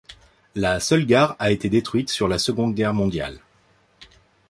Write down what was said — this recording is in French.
La seule gare a été détruite sur la Seconde Guerre mondiale.